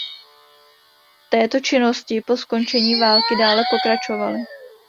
V této činnosti po skončení války dále pokračovaly.